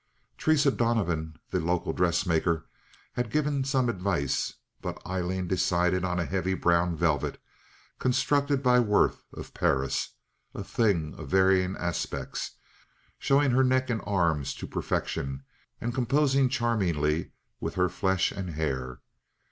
Theresa Donovan, the local dressmaker, had given some advice; but Aileen decided on a heavy brown velvet constructed by Worth, of Paris—a thing of varying aspects, showing her neck and arms to perfection, and composing charmingly with her flesh and hair.